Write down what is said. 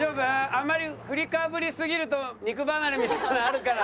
あんまり振りかぶりすぎると肉離れみたいなのあるから。